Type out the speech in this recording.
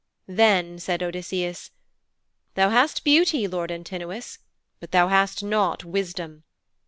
Then said Odysseus, 'Thou hast beauty, lord Antinous, but thou hast not wisdom.